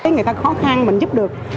người ta khó khăn mình giúp được